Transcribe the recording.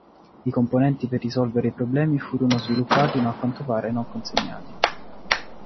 I componenti per risolvere i problemi furono sviluppati ma a quanto pare non consegnati.